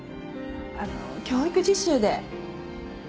あの教育実習で。